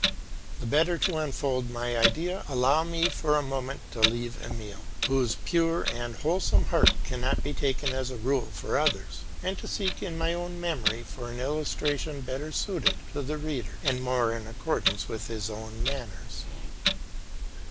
The better to unfold my idea, allow me for a moment to leave Emile, whose pure and wholesome heart cannot be taken as a rule for others, and to seek in my own memory for an illustration better suited to the reader and more in accordance with his own manners.